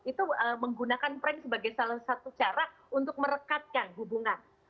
itu menggunakan prank sebagai salah satu cara untuk merekatkan hubungan